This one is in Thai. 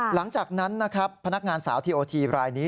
หลังจากนั้นนะครับพนักงานสาวทีโอทีรายนี้